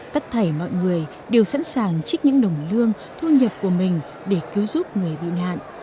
tất thảy mọi người đều sẵn sàng trích những nồng lương thu nhập của mình để cứu giúp người bị nạn